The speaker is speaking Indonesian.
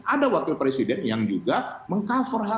ada wakil presiden yang juga meng cover hal